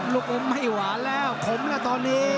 ลูกอมให้หวานแล้วขมแล้วตอนนี้